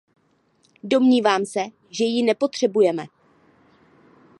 Domnívám se, že ji nepotřebujeme.